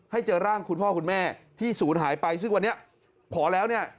เจอร่างคุณพ่อคุณแม่ที่ศูนย์หายไปซึ่งวันนี้พอแล้วเนี่ย